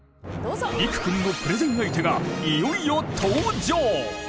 りくくんのプレゼン相手がいよいよ登場！